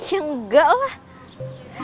ya enggak lah